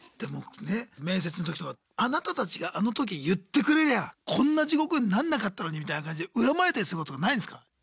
面接の時とかあなたたちがあの時言ってくれりゃこんな地獄になんなかったのにみたいな感じで恨まれたりすることないんですか？